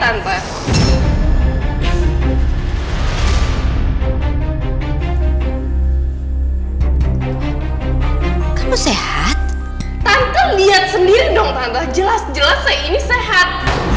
tante kamu lihat sendiri dong tante jelas jelas saya ini sehat